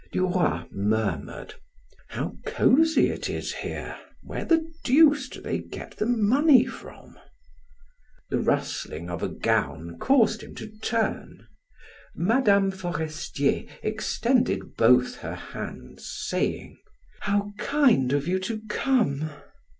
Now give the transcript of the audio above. Duroy murmured: "How cozy it is here! Where the deuce do they get the money from?" The rustling of a gown caused him to turn. Mme. Forestier extended both her hands, saying: "How kind of you to come."